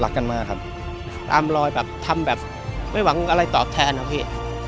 กันมากครับตามรอยแบบทำแบบไม่หวังอะไรตอบแทนนะพี่